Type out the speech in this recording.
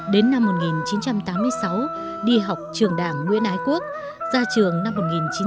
đến năm một nghìn chín trăm tám mươi sáu đi học trường đảng nguyễn ái quốc ra trường năm một nghìn chín trăm tám mươi